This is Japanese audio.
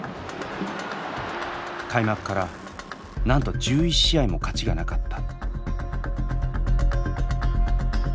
開幕からなんと１１試合も勝ちがなかった。